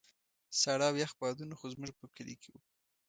ساړه او يخ بادونه خو زموږ په کلي کې وو.